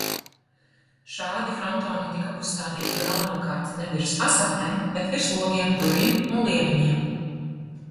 Šādi frontoni tika uzstādīti galvenokārt ne virs fasādēm, bet virs logiem, durvīm un lieveņiem.